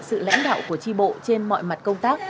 sự lãnh đạo của tri bộ trên mọi mặt công tác